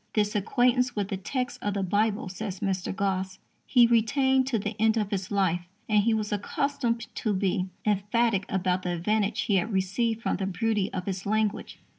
"This acquaintance with the text of the Bible," says Mr. Gosse, "he retained to the end of his life, and he was accustomed to be emphatic about the advantage he had received from the beauty of its language."